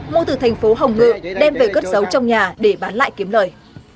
mua từ thành phố hồng ngự đem về cất giấu trong nhà để bán lại kiếm lời